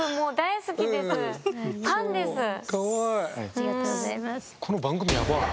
ありがとうございます。